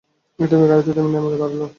একটি মেয়ে গাড়ি থেকে নেমে দাঁড়াল।